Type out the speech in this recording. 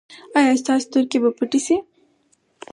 ایا ستاسو سترګې به پټې شي؟